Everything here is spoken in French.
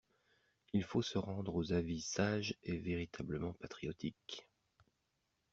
Il faut se rendre aux avis sages et véritablement patriotiques.